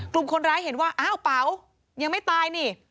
กลุ่มคนร้ายเห็นว่าอ้าวเป๋ายังไม่ตายนี่